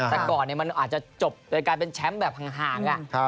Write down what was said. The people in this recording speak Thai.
แต่ก่อนมันอาจจะจบโดยการเป็นแชมป์แบบห่าง